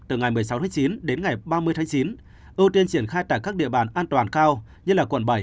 từ ngày một mươi sáu tháng chín đến ngày ba mươi tháng chín ưu tiên triển khai tại các địa bàn an toàn cao như quận bảy